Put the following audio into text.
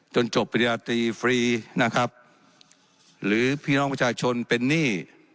จบปริญญาตรีฟรีนะครับหรือพี่น้องประชาชนเป็นหนี้